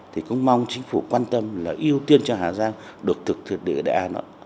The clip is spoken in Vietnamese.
thì cũng mong chính phủ quan tâm là ưu tiên cho hà giang được thực thực địa đại hà nội